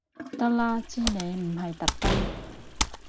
得啦知你唔係特登